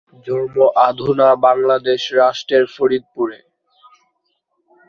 জন্ম অধুনা বাংলাদেশ রাষ্ট্রের ফরিদপুরে।